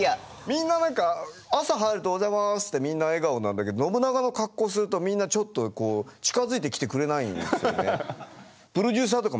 みんな何か朝入るとおはようございますってみんな笑顔なんだけど信長の格好するとみんなちょっと近づいてきてくれないんですよね。